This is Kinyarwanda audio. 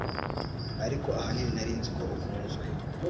ariko ahanini nari nzi ko ukunzwe